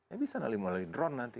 ya bisa melalui drone nanti